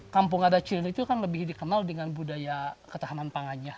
kampung ada cili itu kan lebih dikenal dengan budaya ketahanan pangannya